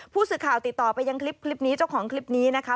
ผู้สื่อข่าวติดต่อไปยังคลิปนี้เจ้าของคลิปนี้นะคะ